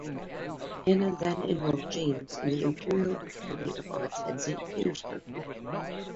Anna then enrolled James in the Imperial Academy of Arts at Saint Petersburg.